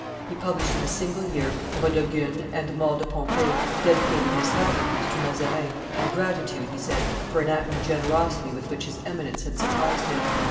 He published in a single year Rodogune and the Mort de Pompee, dedicating this latter piece to Mazarin, in gratitude, he said, for an act of generosity with which his Eminence had surprised him.